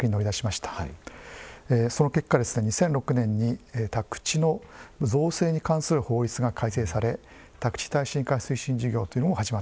その結果２００６年に宅地の造成に関する法律が改正され宅地耐震化推進事業というのも始まったわけです。